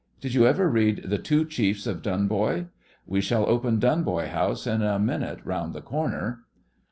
Did you ever read "The Two Chiefs of Dunboy?" We shall open Dunboy House in a minute round the corner.